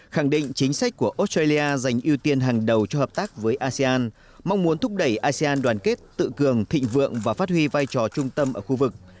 khẳng định chính sách của australia dành ưu tiên hàng đầu cho hợp tác với asean mong muốn thúc đẩy asean đoàn kết tự cường thịnh vượng và phát huy vai trò trung tâm ở khu vực